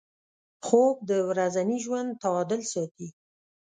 خوب د ورځني ژوند تعادل ساتي